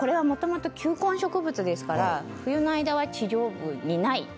もともと球根植物ですから冬の間は地上部にない。